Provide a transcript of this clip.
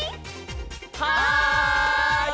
はい！